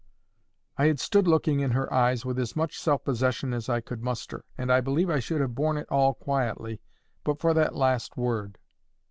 I had stood looking in her eyes with as much self possession as I could muster. And I believe I should have borne it all quietly, but for that last word.